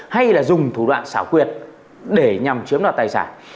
hay là dùng thủ đoạn xảo quyệt để nhằm chiếm đoạt tài sản